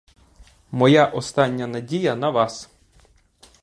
Моя остання надія на вас.